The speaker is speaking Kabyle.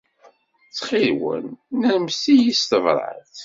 Ttxil-wen, nermset-iyi s tebṛat.